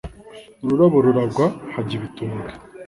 Ururabo ruragwa hajya ibitumbwe,